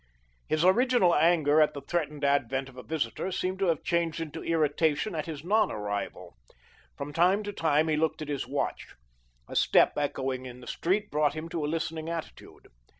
His original anger at the threatened advent of a visitor seemed to have changed into irritation at his non arrival. From time to time he looked at his watch. A step echoing in the street brought him to a listening attitude.